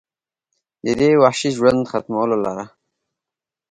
د دې وحشي ژوند ختمولو لره